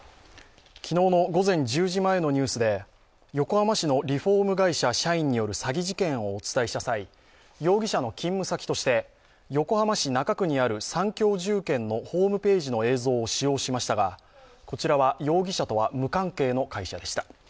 昨日の午前１０時前のニュースで横浜市のリフォーム会社社員による詐欺事件をお伝えした際、容疑者の勤務先として横浜市中区にある三共住建のホームページの映像を使用しましたがこちらは容疑者とは無関係の会社でした。